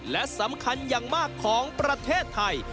และสำคัญอย่างมากของประเทศไทย